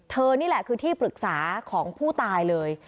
นี่แหละคือที่ปรึกษาของผู้ตายเลย